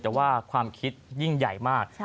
แต่ว่าความคิดยิ่งใหญ่มาก